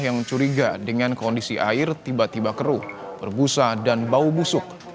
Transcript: yang curiga dengan kondisi air tiba tiba keruh berbusa dan bau busuk